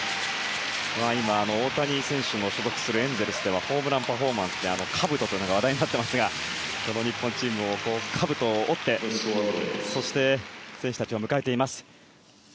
今、大谷選手の所属するエンゼルスではホームランパフォーマンスでかぶとが話題になっていますがこの日本チームもかぶとを折ってそして選手たちを迎えています。